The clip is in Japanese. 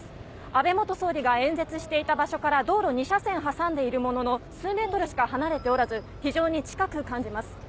安倍元総理が演説していた場所から道路２車線挟んでいるものの、数メートルしか離れておらず、非常に近く感じます。